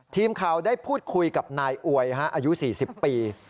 ทีมข่าวได้พูดคุยกับนายอวยอายุ๔๐ปี